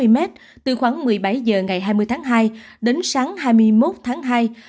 hai tám trăm sáu mươi mét từ khoảng một mươi bảy giờ ngày hai mươi tháng hai đến sáng hai mươi một tháng hai